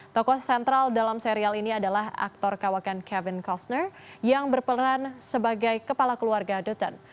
tokoh sentral dalam serial ini adalah aktor kawakan kevin costner yang berperan sebagai kepala keluarga duton